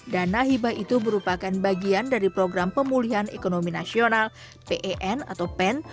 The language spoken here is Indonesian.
dana hibah itu merupakan bagian dari program pemulihan ekonomi nasional pen atau pen